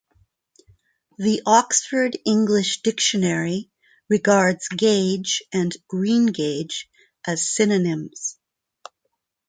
The Oxford English Dictionary regards "gage" and "greengage" as synonyms.